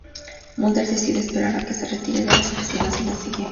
Mulder decide esperar a que se retire de las oficinas y la sigue.